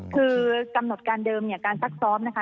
คือกำหนดการเดิมการทรักซ้อมนะฮะ